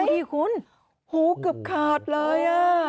เฮ้ยคุณโหเกือบขาดเลยอ่ะ